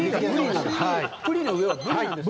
プリの上はブリなんですね。